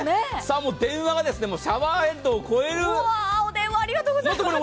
電話がシャワーヘッドを超える